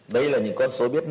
đây là những con số biết mạng